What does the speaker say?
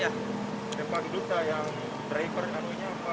yang bagi duduk saya yang driver kanunya apa